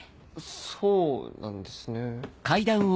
そうなんですね。